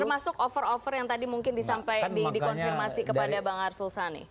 termasuk offer offer yang tadi mungkin disampaikan dikonfirmasi kepada bang arsul sani